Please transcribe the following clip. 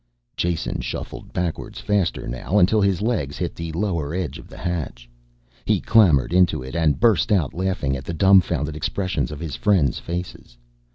Jason shuffled backwards faster now until his legs hit the lower edge of the hatch. He clambered into it and burst out laughing at the dumfounded expressions of his friends' faces.